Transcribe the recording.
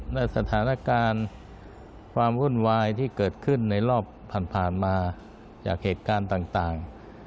และสถานการณ์ความวุ่นวายที่เกิดขึ้นในรอบผ่านมาจากเหตุการณ์ต่าง